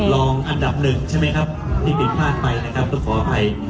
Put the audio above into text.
ลองอันดับหนึ่งใช่ไหมครับผิดผ้ากลักไปครับต้องขออภัย